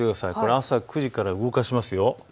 朝９時から動かしますよ。